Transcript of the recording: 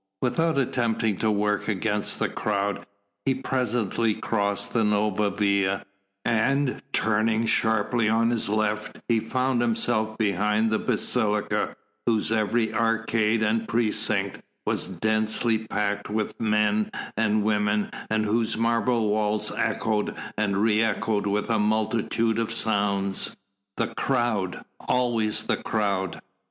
Without attempting to work against the crowd, he presently crossed the Nova Via, and turning sharply on his left he found himself behind the basilica whose every arcade and precinct was densely packed with men and women and whose marble walls echoed and re echoed with a multitude of sounds. The crowd! always the crowd!